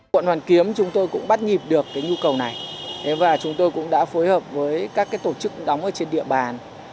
quận hoàn kiếm chúng tôi cũng bắt nhịp được cái nhu cầu này và chúng tôi cũng đã phối hợp với các tổ chức đóng ở trên địa bàn